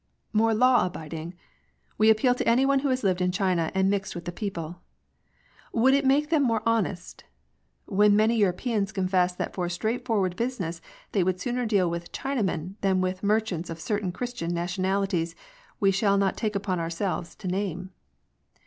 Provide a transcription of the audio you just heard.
More law abiding ?— we appeal to any one who has lived in China, and mixed with the people. Would it make them more honest ?— when many Europeans confess that for straightforward business they would sooner deal with Chinamen than with merchants of certain Christian nationalities we shall not take upon ourselves to name.